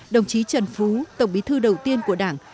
đồng chí trần phú tổng bí thư đầu tiên của đảng